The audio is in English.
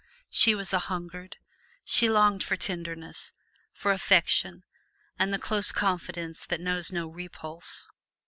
She was a hungered, she longed for tenderness, for affection and the close confidence that knows no repulse.